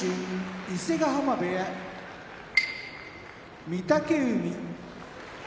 伊勢ヶ濱部屋御嶽海